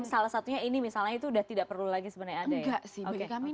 salah satunya ini misalnya itu sudah tidak perlu lagi sebenarnya ada ya